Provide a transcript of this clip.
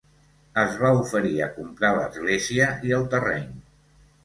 Es va oferir a comprar l'església i el terreny.